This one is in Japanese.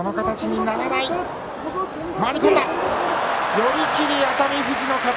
寄り切り、熱海富士の勝ち。